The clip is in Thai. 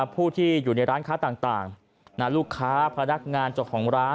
ผู้ที่อยู่ในร้านค้าต่างลูกค้าพนักงานเจ้าของร้าน